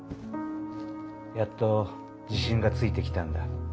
やっと自信がついてきたんだ。